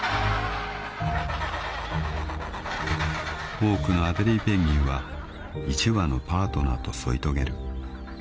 ［多くのアデリーペンギンは１羽のパートナーと添い遂げる］